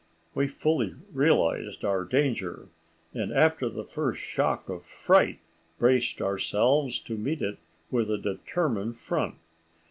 We fully realized our danger, and after the first shock of fright braced ourselves to meet it with a determined front.